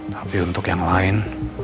tapi untuk yang lain